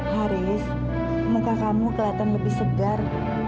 haris muka kamu kelihatan lebih segar